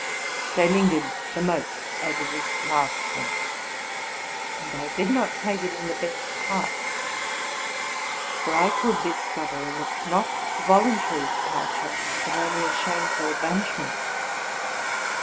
They lingered the most over this last point, and I did not take it in the best part; for I could discover in it, not a voluntary departure, but only a shameful banish ment.